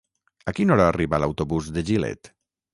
A quina hora arriba l'autobús de Gilet?